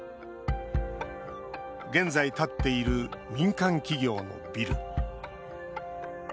現在建っている民間企業のビル。